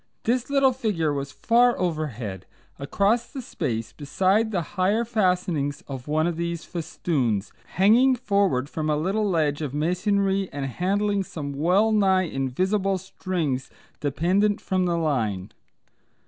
This little figure was far overhead across the space beside the higher fastening of one of these festoons, hanging forward from a little ledge of masonry and handling some well nigh invisible strings dependent from the line.